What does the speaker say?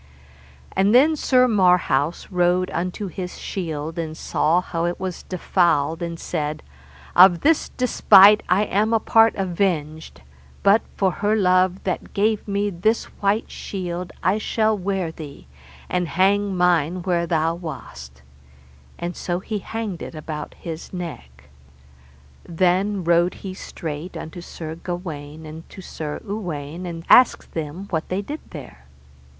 And then Sir Marhaus rode unto his shield, and saw how it was defouled, and said, Of this despite I am a part avenged, but for her love that gave me this white shield I shall wear thee, and hang mine where thou wast; and so he hanged it about his neck. Then he rode straight unto Sir Gawaine and to Sir Uwaine, and asked them what they did there?